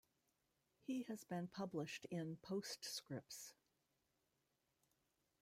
He has been published in "Postscripts".